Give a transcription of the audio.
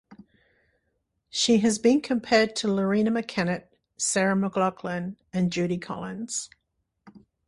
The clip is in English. She has been compared to Loreena McKennitt, Sarah McLachlan, and Judy Collins.